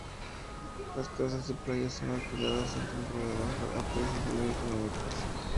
Las casas de playa son alquiladas en temporada baja, a precios muy económicos.